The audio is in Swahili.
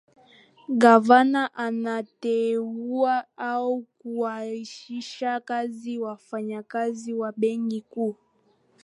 gavana anateua au kuwaachisha kazi wafanyakazi wa benki kuu